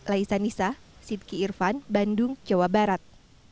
laisa nisa sidki irfan bandung jawa barat